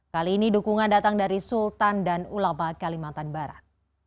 kali ini dukungan datang dari sultan dan ulama kalimantan barat